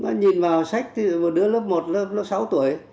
nó nhìn vào sách thì một đứa lớp một lớp nó sáu tuổi